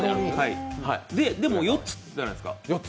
でも４つじゃないですか。